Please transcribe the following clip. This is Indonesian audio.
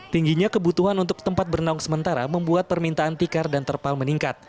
tingginya kebutuhan untuk tempat bernaung sementara membuat permintaan tikar dan terpal meningkat